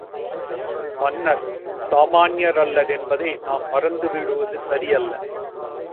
மன்னர் சாமான்யரல்லர் என்பதை நாம் மறந்துவிடுவது சரியல்ல.